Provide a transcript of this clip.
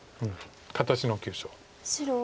形の急所。